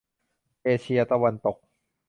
เอเชียตะวันตก